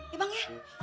ya bang ya